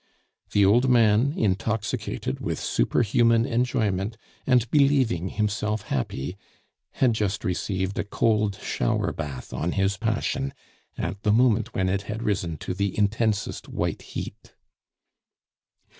The old man, intoxicated with superhuman enjoyment, and believing himself happy, had just received a cold shower bath on his passion at the moment when it had risen to the intensest white heat.